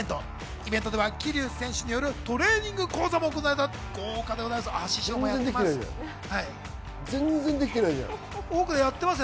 イベントでは桐生選手によるトレーニング講座も行われました、豪華でございます。